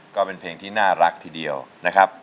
ก็เป็นเพลงที่น่ารักทีเดียวนะครับ